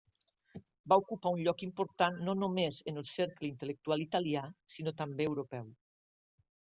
Va ocupar un lloc important no només en el cercle intel·lectual italià sinó també europeu.